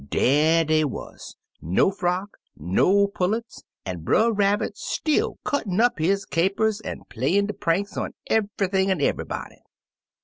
Dar dey wuz, no frock, no pullets, an' Brer Rab bit ^till cuttin' up his capers an' pla3rin' his pranks on everything an' eve'ybody.